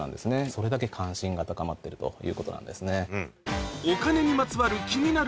それだけ関心が高まってるということなんですね。